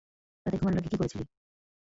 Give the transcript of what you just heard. রাতে ঘুমানোর আগে কি করেছিলি?